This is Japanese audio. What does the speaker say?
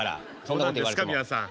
どうなんですか皆さん。